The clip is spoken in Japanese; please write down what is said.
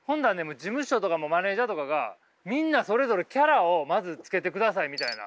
事務所とかもマネージャーとかがみんなそれぞれキャラをまずつけてくださいみたいな。